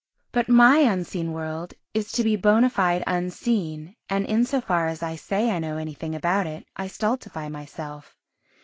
But my unseen world is to be bona fide unseen and, in so far as I say I know anything about it, I stultify myself.